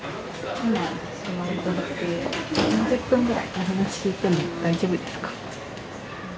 ３０分ぐらいお話聞いても大丈夫ですか？